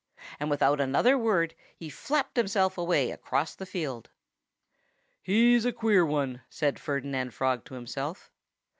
And without another word he flapped himself away across the field. "He's a queer one," said Ferdinand Frog to himself.